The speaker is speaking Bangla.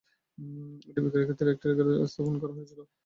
এটি বিক্রয়ের ক্ষেত্রে একটি রেকর্ড স্থাপন করেছিল।